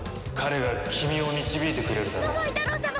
彼が君を導いてくれるだろう。